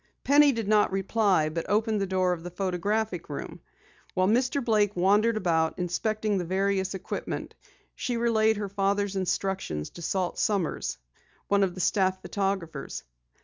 Penny did not reply, but opened the door of the photographic room. While Mr. Blake wandered about, inspecting the various equipment, she relayed her father's instructions to Salt Sommers, one of the staff photographers.